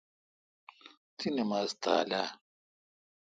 تی نماز تھال اہ؟